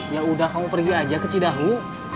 ya udah kamu pergi aja ke cidahu